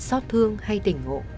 xót thương hay tỉnh ngộ